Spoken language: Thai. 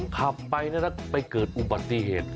ขับไปแล้วไปเกิดอุบัติเหตุ